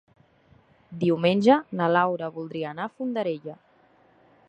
Diumenge na Laura voldria anar a Fondarella.